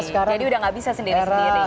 jadi sudah tidak bisa sendiri sendiri